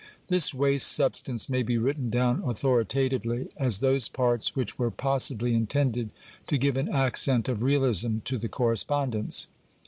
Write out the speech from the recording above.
This waste substance may be written down authoritatively as those parts which were possibly intended CRITICAL INTRODUCTION xxix to give an accent of realism to the correspondence.